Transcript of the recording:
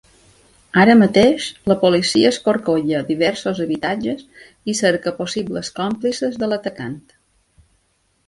Ara mateix, la policia escorcolla diversos habitatges i cerca possibles còmplices de l’atacant.